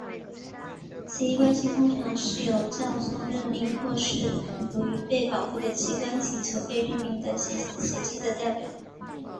此一关系通常是由教宗任命或是由于被保护的机关请求被任命的枢机的代表。